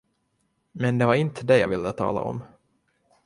Men det var inte det jag ville tala om.